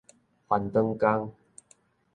翻轉工